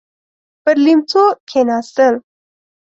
پر ليمڅو کېناستل.